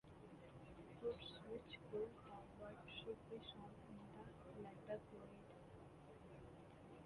Fruits which grow downward should be sown in the latter period.